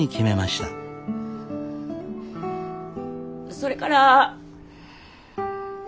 それから。